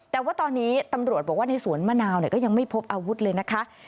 แต่ว่าตอนนี้ตำรวจบอกว่าในสวนมะนาวก็ยังไม่พบอาวุธเลยนะคะ